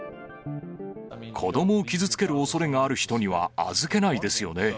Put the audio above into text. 子どもを傷つけるおそれがある人には預けないですよね。